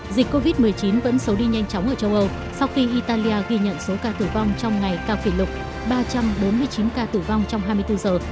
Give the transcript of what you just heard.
dịch covid một mươi chín vẫn xấu đi nhanh chóng ở châu âu sau khi italia ghi nhận số ca tử vong trong ngày cao kỷ lục ba trăm bốn mươi chín ca tử vong trong hai mươi bốn giờ